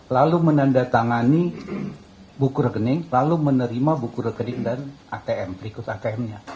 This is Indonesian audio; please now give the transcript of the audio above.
lalu menandatangani buku rekening lalu menerima buku rekening dan atm berikut atm nya